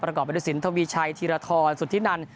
ประกอบเป็นสินทรวิชัยธีรทรสุธินัน